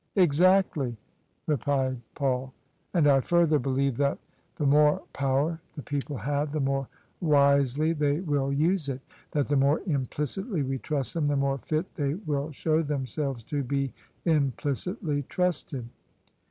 "" Exactly," replied Paul. " And I further believe that the more power the people have, the more wisely they will use It : that the more implicitly we trust them, the more fit they will show themselves to be implicitly trusted."